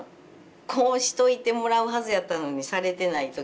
こうしといてもらうはずやったのにされてない時。